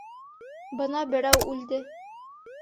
Бына берәү үлде.